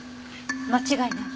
間違いない？